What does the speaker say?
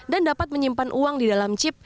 dan dapat menyimpan uang di dalam chip